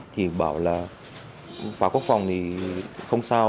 thì bảo là pháo quốc phòng thì không sao